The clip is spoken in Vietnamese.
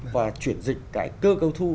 và chuyển dịch cái cơ cấu thu